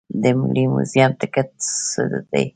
د ملي موزیم ټکټ څو دی؟